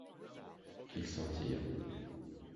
Qu’ils s’en tirent.